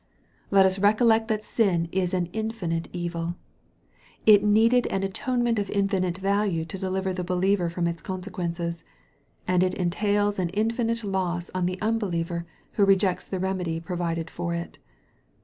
Let us recollect that sin is an infinite evil. It needed an atonement of infinite value to deliver the believer from its consequences and it entails an infinite loss on the unbeliever who rejects the remedy provided for it.